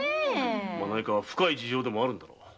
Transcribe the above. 何か深い事情でもあるんだろう。